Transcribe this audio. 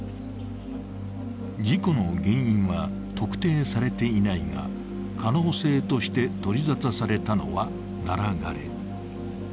事故の原因は特定されていないが、可能性として取りざたされたのはナラ枯れ。